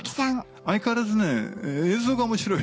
相変わらず映像が面白い。